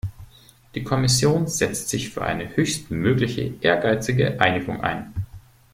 Die Kommission setzt sich für eine höchstmögliche ehrgeizige Einigung ein.